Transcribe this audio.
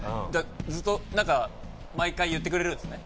ずっと、なんか、毎回言ってくれるんですね。